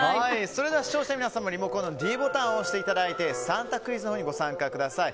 それでは視聴者の皆さんもリモコンのｄボタンを押していただいて３択クイズにご参加ください。